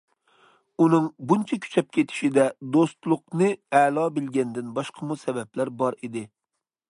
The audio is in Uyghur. ئۇنىڭ بۇنچە كۈچەپ كېتىشىدە، دوستلۇقنى ئەلا بىلگەندىن باشقىمۇ سەۋەبلەر بار ئىدى.